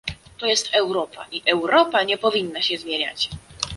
To jest Europa i Europa nie powinna się zmieniać